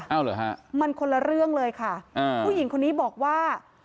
เปล่าไหมคะมันคนละเรื่องผู้หญิงคนนี้บอกว่า